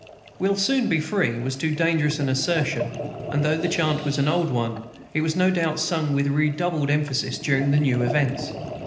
"We'll soon be free" was too dangerous an assertion; and though the chant was an old one, it was no doubt sung with redoubled emphasis during the new events.